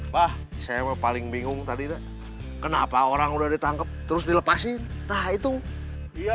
bah saya paling bingung tadi kenapa orang udah ditangkap terus dilepasin tah itu iya